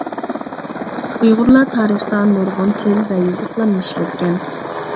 ئۇيغۇرلار تارىختا نۇرغۇن تىل ۋە يېزىقلارنى ئىشلەتكەن.